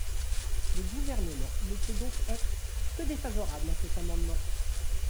Le Gouvernement ne peut donc être que défavorable à cet amendement.